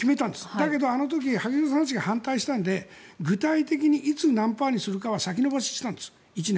だけどあの時、萩生田さんが反対したので、具体的にいつ何パーセントにするかは先延ばしにしたんです、１年。